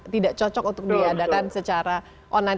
tidak cocok untuk diadakan secara online